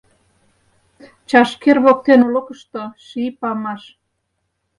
Чашкер воктен олыкышто — ший памаш